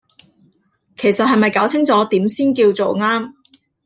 其實係咪攪清楚點先叫做啱